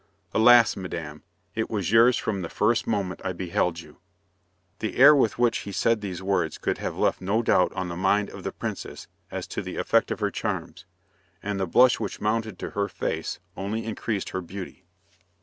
Alas, madame, it was yours from the first moment I beheld you!" The air with which he said these words could have left no doubt on the mind of the princess as to the effect of her charms, and the blush which mounted to her face only increased her beauty.